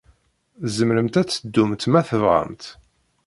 Tzemremt ad teddumt, ma tebɣamt.